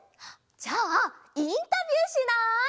じゃあインタビューしない？